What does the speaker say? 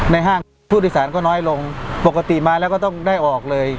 ห้างผู้โดยสารก็น้อยลงปกติมาแล้วก็ต้องได้ออกเลย